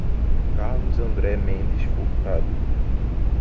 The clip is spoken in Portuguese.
Carlos André Mendes Furtado